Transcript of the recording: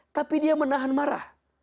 tapi dia menahan marah